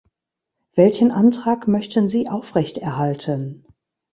Welchen Antrag möchten Sie aufrechterhalten?